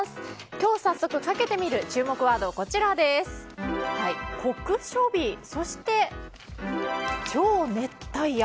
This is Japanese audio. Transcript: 今日早速かけてみる注目ワードは酷暑日、そして超熱帯夜。